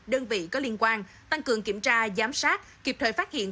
đơn vị có liên quan tăng cường kiểm tra giám sát kịp thời phát hiện